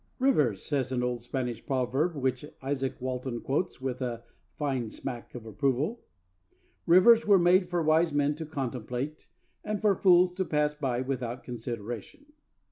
'Rivers,' says an old Spanish proverb which Izaak Walton quotes with a fine smack of approval, 'rivers were made for wise men to contemplate and for fools to pass by without consideration.'